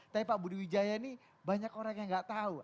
tapi pak budi wijaya ini banyak orang yang nggak tahu